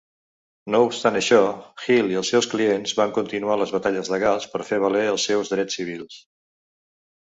No obstant això, Hill i els seus clients van continuar les batalles legals per fer valer els seus drets civils.